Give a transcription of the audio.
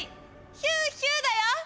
ヒューヒューだよ！